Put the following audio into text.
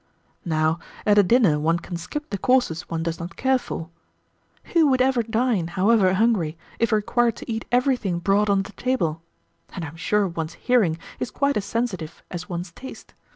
Now, at a dinner one can skip the courses one does not care for. Who would ever dine, however hungry, if required to eat everything brought on the table? and I am sure one's hearing is quite as sensitive as one's taste.